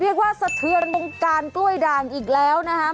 เรียกว่าสะเทือนวงการกล้วยด่างอีกแล้วนะฮะ